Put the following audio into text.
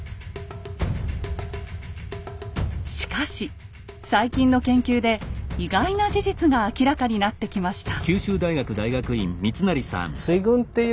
しかし最近の研究で意外な事実が明らかになってきました。